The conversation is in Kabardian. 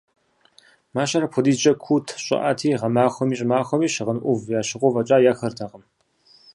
Мащэр апхуэдизкӏэ куут, щӏыӏэти, гъэмахуэми щӏымахуэ щыгъын ӏув ящыгъыу фӏэкӏа ехыртэкъым.